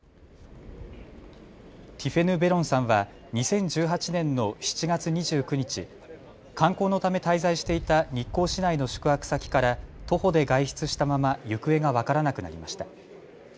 ティフェヌ・ベロンさんは２０１８年の７月２９日、観光のため滞在していた日光市内の宿泊先から徒歩で外出したまま行方が分からなくなりました。